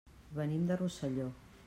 Venim de Rosselló.